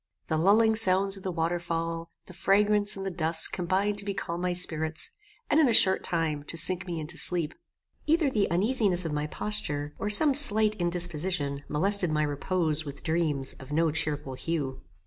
The lulling sounds of the waterfall, the fragrance and the dusk combined to becalm my spirits, and, in a short time, to sink me into sleep. Either the uneasiness of my posture, or some slight indisposition molested my repose with dreams of no cheerful hue.